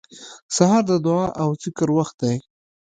سهار د دعا او ذکر وخت دی.